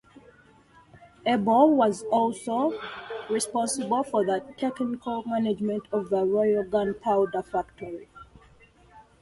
Abel was also responsible for the technical management of the Royal Gunpowder Factory.